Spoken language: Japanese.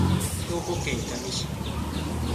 兵庫県伊丹市